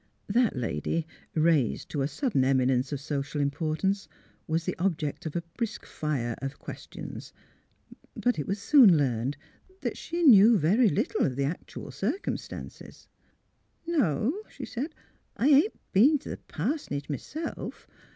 That lady, raised to a sudden eminence of social importance, was the object of a brisk fire of ques tions. But it was soon learned that she knew very little of the actual circumstances. THE PARISH HEARS THE NEWS 303 *' No," she said, '' I ain't been t' th' pars'nage, m'self.